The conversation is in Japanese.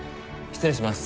失礼します。